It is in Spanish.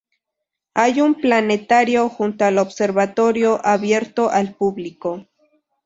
Hay un planetario junto al observatorio abierto al público.